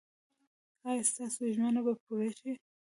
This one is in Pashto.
ایا ستاسو ژمنه به پوره شي؟